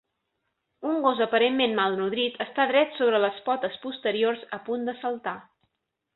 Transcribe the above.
Un gos aparentment malnodrit està dret sobre les potes posteriors a punt de saltar.